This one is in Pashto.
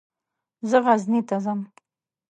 زه غزني ته ځم.